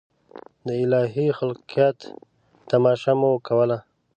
د الهي خلقت تماشه مو کوله.